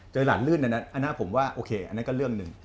หลานลื่นอันนั้นอันนั้นผมว่าโอเคอันนั้นก็เรื่องหนึ่ง